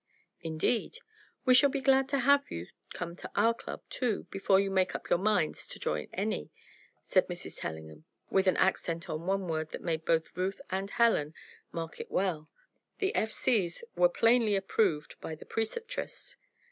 "Indeed! We shall be glad to have you come to our club, too, before you make up your minds to join any," said Mrs. Tellingham, with an accent on one word that made both Ruth and Helen mark it well. The F. C.'s were plainly approved by the Preceptress.